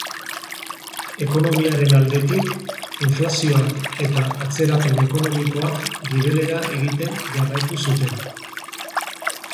Ekonomiaren aldetik, inflazioak eta atzerapen ekonomikoak gibelera egiten jarraitu zuten.